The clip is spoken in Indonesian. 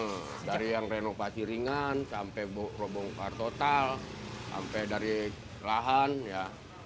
iya dari yang renovasi ringan sampai robong par total sampai dari lahan ya